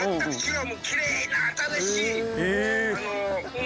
はい。